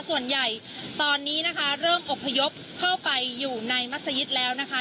ส่วนใหญ่ตอนนี้นะคะเริ่มอบพยพเข้าไปอยู่ในมัศยิตแล้วนะคะ